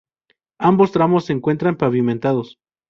Ambos tramos se encuentran pavimentados.